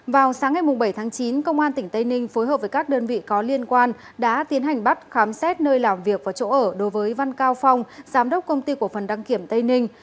vào sáng ngày bảy tháng chín công an tỉnh tây ninh phối hợp với các đơn vị có liên quan đã tiến hành bắt khám xét nơi làm việc và chỗ ở đối với văn cao phong giám đốc công ty của phần đăng kiểm tây ninh